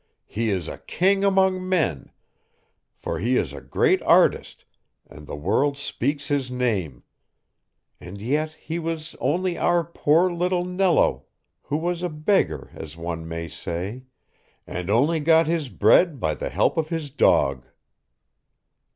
He is a king among men, for he is a great artist and the world speaks his name; and yet he was only our poor little Nello, who was a beggar as one may say, and only got his bread by the help of his dog."